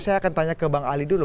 saya akan tanya ke bang ali dulu